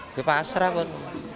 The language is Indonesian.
itu pasra pun